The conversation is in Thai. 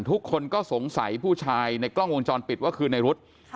ทุกคนก็สงสัยผู้ชายในกล้องวงจรปิดว่าคือในรถ